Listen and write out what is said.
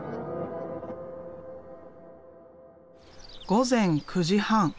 午前９時半。